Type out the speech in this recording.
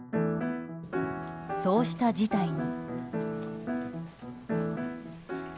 そうした事態に。